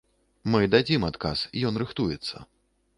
Мы дадзім адказ, ён рыхтуецца.